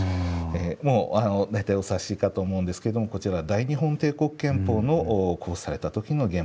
もう大体お察しかと思うんですけどもこちらは大日本帝国憲法の公布された時の原本になっています。